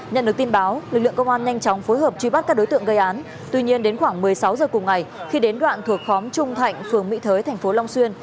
nhận được tin báo lực lượng công an nhanh chóng phối hợp truy bắt các đối tượng gây án tuy nhiên đến khoảng một mươi sáu giờ cùng ngày khi đến đoạn thuộc khóm trung thạnh phường mỹ thới thành phố long xuyên